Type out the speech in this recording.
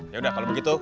yaudah kalau begitu